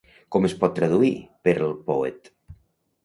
Com es pot traduir Pearl Poet?